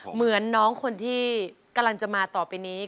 เหมือนน้องคนที่กำลังจะมาต่อไปนี้